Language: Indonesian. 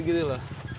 gitu ada yang beli tuh